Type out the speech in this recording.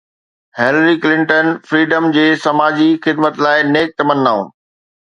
Hillary Clinton freedom جي سماجي خدمت لاءِ نيڪ تمنائون